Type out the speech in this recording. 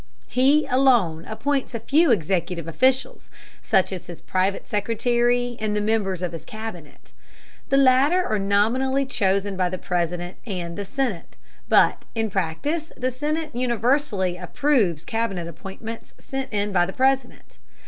He alone appoints a few executive officials, such as his private secretary and the members of his Cabinet. The latter are nominally chosen by the President and the Senate, but in practice the Senate universally approves Cabinet appointments sent in by the President.